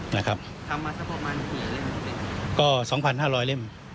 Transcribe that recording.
ทำมาสักประมาณกี่เล่ม